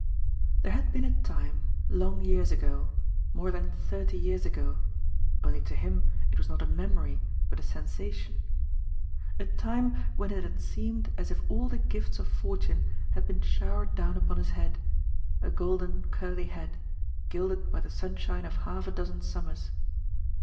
There had been a time, long years ago — more than thirty years ago, only to him it was not a memory, but a sensation — a time when it had seemed as if all the gifts of fortune had been showered down upon his head, a golden, curly head, gilded by the sunshine of half a dozen sum mers.